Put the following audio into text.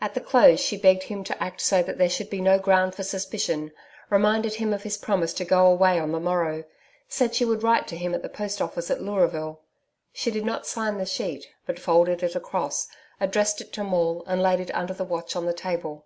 At the close she begged him to act so that there should be no ground for suspicion reminded him of his promise to go away on the morrow said she would write to him at the Post Office at Leuraville. She did not sign the sheet, but folded it across addressed it to Maule and laid it under the watch on the table.